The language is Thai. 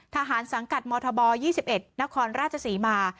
ทหารสังกัดมศ๒๑นครราชศรีมา